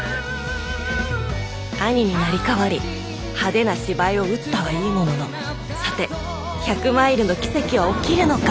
兄になりかわり派手な芝居を打ったはいいもののさて１００マイルの奇跡は起きるのか